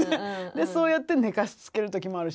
そうやって寝かしつける時もあるし。